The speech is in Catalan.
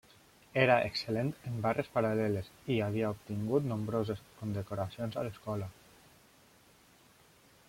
Era excel·lent en barres paral·leles i havia obtingut nombroses condecoracions a l'escola.